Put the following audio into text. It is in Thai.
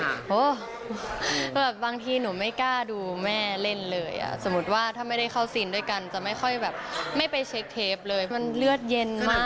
แบบบางทีหนูไม่กล้าดูแม่เล่นเลยอ่ะสมมุติว่าถ้าไม่ได้เข้าซีนด้วยกันจะไม่ค่อยแบบไม่ไปเช็คเทปเลยมันเลือดเย็นมาก